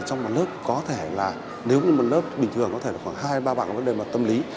trong một lớp có thể là nếu như một lớp bình thường có thể là khoảng hai ba bạn có vấn đề mà tâm lý